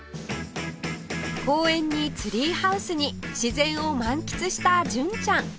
公園にツリーハウスに自然を満喫した純ちゃん